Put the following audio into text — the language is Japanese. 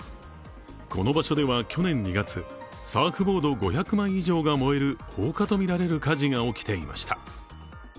この場所では去年２月、サーフボード５００枚以上が燃える放火とみられる火事が起きていました。